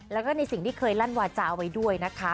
แล้วก็ในสิ่งที่เคยลั่นวาจาไว้ด้วยนะคะ